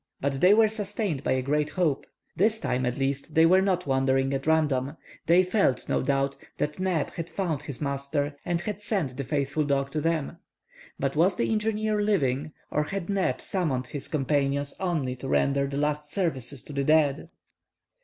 But they were sustained by a great hope. This time, at least, they were not wandering at random. They felt, no doubt, that Neb had found his master and had sent the faithful dog to them. But was the engineer living, or had Neb summoned his companions only to render the last services to the dead?